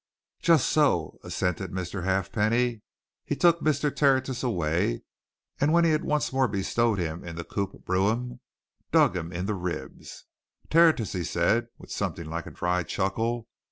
"Just so," assented Mr. Halfpenny. He took Mr. Tertius away, and when he had once more bestowed him in the coupé brougham, dug him in the ribs. "Tertius!" he said, with something like a dry chuckle.